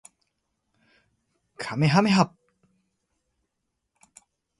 かめはめ波